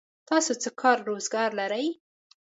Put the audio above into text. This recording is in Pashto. تاسو څه کار روزګار لرئ؟